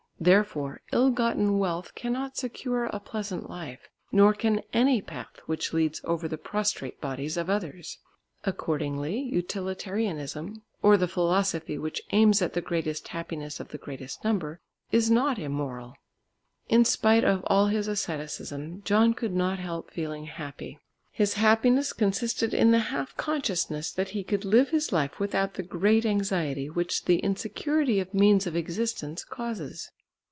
Therefore ill gotten wealth cannot secure a pleasant life, nor can any path which leads over the prostrate bodies of others. Accordingly Utilitarianism, or the philosophy which aims at the greatest happiness of the greatest number, is not immoral. In spite of all his asceticism John could not help feeling happy. His happiness consisted in the half consciousness that he could live his life without the great anxiety which the insecurity of means of existence causes.